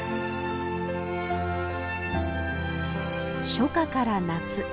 初夏から夏。